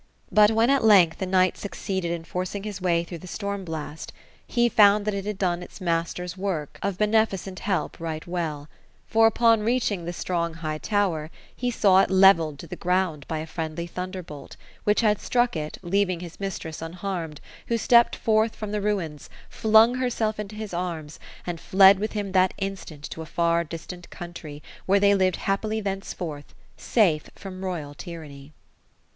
But when, at length, the knight succeeded in forcing his way through the storm blast, he found that it had done its masters' work of THE ROSE OF EL8INORE. 205 beneficent help right well : for upon reaching the strong high tower, he saw it levelled to the ground by a friendly thunder bolt ; which had struck it, leaving his mistress unharmed, who stepped forth from the ruins, flung herself into his arms, and fled with him that instant to a far distant country, where they lived happily thenceforth, safe from royal tyranny.